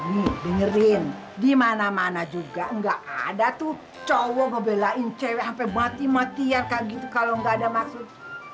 nih dengerin dimana mana juga ga ada tuh cowok ngebelain cewek sampe mati matian kak gitu kalo ga ada maksud